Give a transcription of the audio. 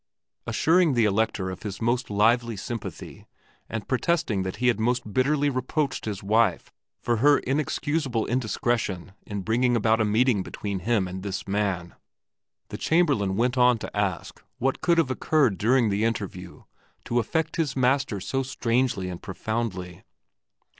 Assuring the Elector of his most lively sympathy, and protesting that he had most bitterly reproached his wife for her inexcusable indiscretion in bringing about a meeting between him and this man, the Chamberlain went on to ask what could have occurred during the interview to affect his master so strangely and profoundly.